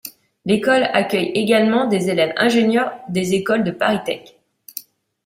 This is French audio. L’école accueille également des élèves ingénieurs des écoles de ParisTech.